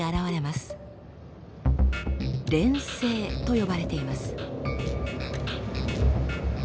「連星」と呼ばれています。